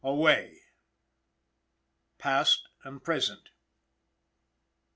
Away!_" PAST AND PRESENT.